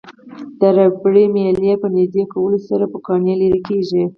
د ربړي میلې په نژدې کولو سره پوکڼۍ لرې کیږي.